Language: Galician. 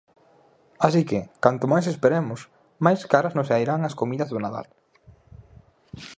Así que, canto máis esperemos, máis caras nos sairán as comidas do Nadal.